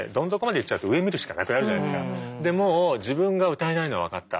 要は下まででもう自分が歌えないのは分かった。